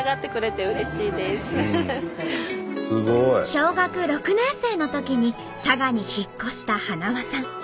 小学６年生のときに佐賀に引っ越したはなわさん。